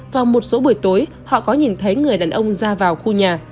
vào một số buổi tối họ có nhìn thấy người đàn ông ra vào khu nhà